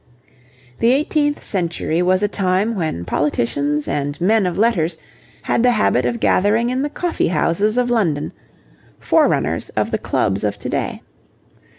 The eighteenth century was a time when politicians and men of letters had the habit of gathering in the coffee houses of London forerunners of the clubs of to day.